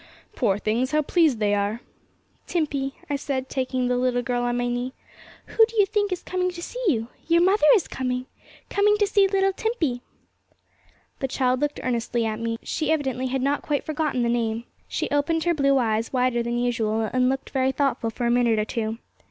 Poor things, how pleased they are! 'Timpey,' I said, taking the little girl on my knee, 'who do you think is coming to see you? Your mother is coming coming to see little Timpey!' The child looked earnestly at me; she evidently had not quite forgotten the name. She opened her blue eyes wider than usual, and looked very thoughtful for a minute or two.